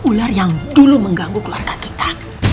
ular yang dulu mengganggu keluarga kita